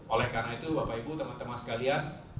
oleh karena itu bapak ibu teman teman sekalian